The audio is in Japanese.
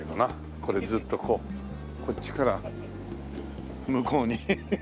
これずっとこうこっちから向こうに。